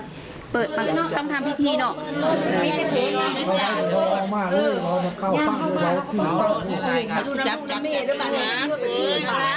ตอนนี้ก็ไม่มีเวลาให้กลับมาเที่ยวกับเวลาเที่ยวกับเวลาเที่ยวกับเวลา